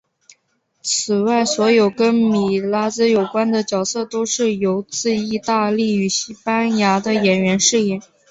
此外所有跟米拉兹有关的角色都是由来自义大利与西班牙的演员饰演。